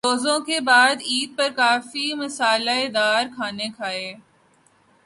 روزوں کے بعد عید پر کافی مصالحہ دار کھانے کھائے۔